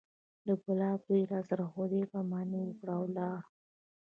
د ګلاب زوى راسره خداى پاماني وکړه او ولاړ.